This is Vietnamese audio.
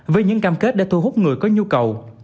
với những cam kết để thu hút người có nhu cầu